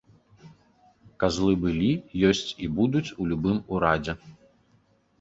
Казлы былі, ёсць і будуць у любым урадзе.